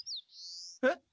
えっ？